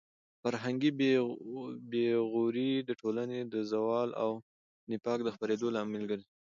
فرهنګي بې غوري د ټولنې د زوال او د نفاق د خپرېدو لامل ګرځي.